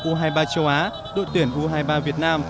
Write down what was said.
u hai mươi ba châu á đội tuyển u hai mươi ba việt nam